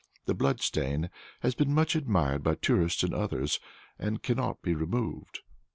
The blood stain has been much admired by tourists and others, and cannot be removed."